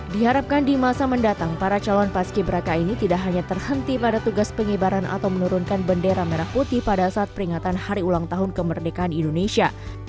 diharapkan di masa mendatang para calon paski beraka ini tidak hanya terhenti pada tugas pengibaran atau menurunkan bendera merah putih pada saat peringatan hari ulang tahun kemerdekaan indonesia